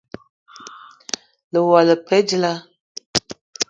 Lewela le pe dilaah?